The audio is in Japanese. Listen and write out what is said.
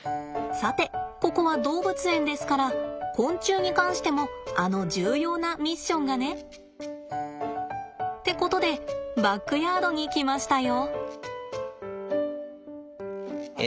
さてここは動物園ですから昆虫に関してもあの重要なミッションがね。ってことでバックヤードに来ましたよ。